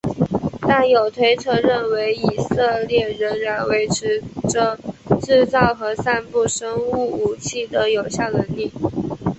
但有推测认为以色列仍然维持着制造和散布生物武器的有效能力。